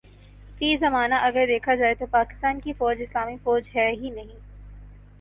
فی زمانہ اگر دیکھا جائے تو پاکستان کی فوج اسلامی فوج ہے ہی نہیں